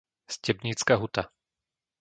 Stebnícka Huta